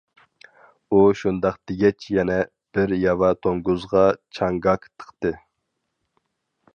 ئۇ شۇنداق دېگەچ يەنە بىر ياۋا توڭگۇزغا چاڭگاك تىقتى.